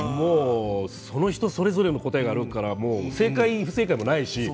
その人それぞれの個性があるから正解不正解はないし。